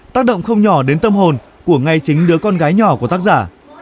tác động không nhỏ đến tâm hồn của ngay chính đứa con gái nhỏ của tác giả